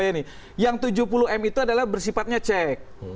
ini yang tujuh puluh m itu adalah bersifatnya cek